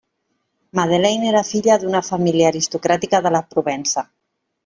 Madeleine era filla d'una família aristocràtica de la Provença.